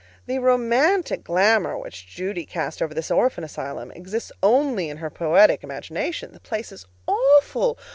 The romantic glamour which Judy cast over this orphan asylum exists only in her poetic imagination. The place is AWFUL.